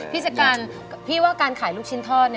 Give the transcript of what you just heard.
พี่จัดการพี่ว่าการขายลูกชิ้นทอด